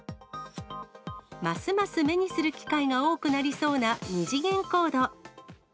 ますます目にする機会が多くなりそうな二次元コード。